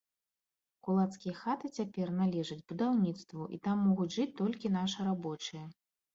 Кулацкія хаты цяпер належаць будаўніцтву, і там могуць жыць толькі нашы рабочыя.